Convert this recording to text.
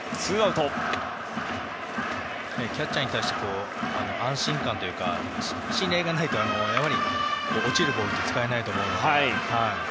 キャッチャーに対して安心感というか信頼がないと、落ちるボールって使えないと思うので。